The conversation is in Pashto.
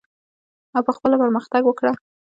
او په خپله پرمختګ وکړه.